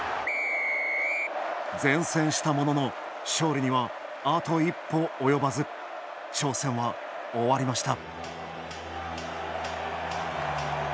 善戦したものの勝利には、あと一歩及ばず挑戦は終わりました。